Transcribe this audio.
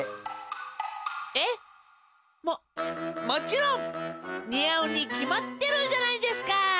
えっ？ももちろん！にあうにきまってるじゃないですか！